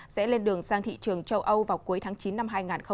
sẽ lên đường sang thị trường châu âu vào cuối tháng chín năm hai nghìn hai mươi